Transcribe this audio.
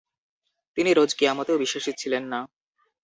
তিনি রোজ কেয়ামতেও বিশ্বাসী ছিলেন না।